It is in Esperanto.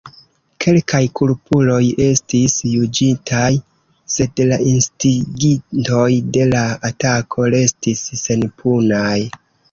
Kelkaj kulpuloj estis juĝitaj, sed la instigintoj de la atako restis senpunaj.